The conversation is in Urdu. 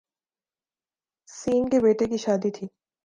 س کے بیٹے کی شادی تھی